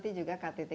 terima kasih banyak